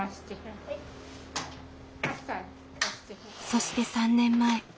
そして３年前。